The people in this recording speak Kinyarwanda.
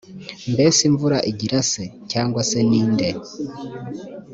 mbese imvura igira se cyangwa se ni nde.